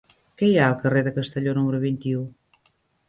Què hi ha al carrer de Castelló número vint-i-u?